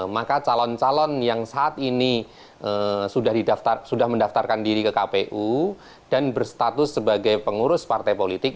maka calon calon yang saat ini sudah mendaftarkan diri ke kpu dan berstatus sebagai pengurus partai politik